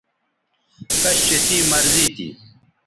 کش چہ تیں مرضی تھی